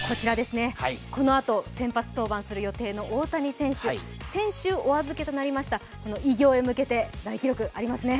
このあと先発登板する予定の大谷選手、先週お預けとなりました偉業へ向けて、大記録、ありますね。